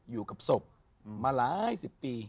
อยู่กับศพมาหลายสิบปี